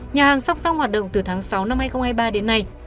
nhà hàng song song hoạt động từ tháng sáu năm hai nghìn hai mươi ba đến nay